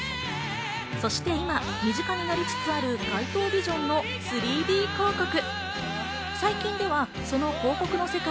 そして今、身近になりつつある街頭ビジョンの３Ｄ広告。